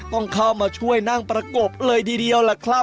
ต้องเข้ามาช่วยนั่งประกบเลยทีเดียวล่ะครับ